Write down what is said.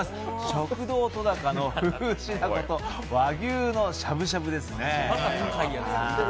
食堂とだかのフグ白子と和牛のしゃぶしゃぶです。